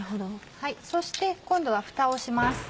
そして今度はふたをします。